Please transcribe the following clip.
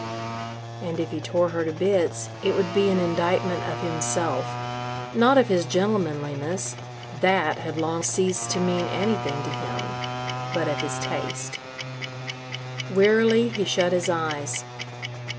And if he tore her to bits, it would be an indictment of himself, not of his gentlemanliness, that had long ceased to mean anything to him but of his taste. Wearily, he shut his eyes.